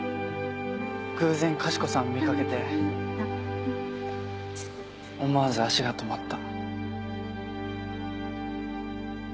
偶然かしこさんを見かけて思わず足が止まった。